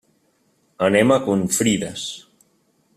Anem a Confrides.